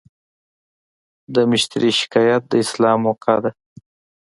د مشتری شکایت د اصلاح موقعه ده.